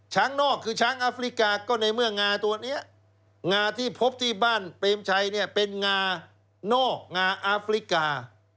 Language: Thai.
นอกคือช้างอาฟริกาก็ในเมื่องาตัวนี้งาที่พบที่บ้านเปรมชัยเนี่ยเป็นงานอกงาอาฟริกา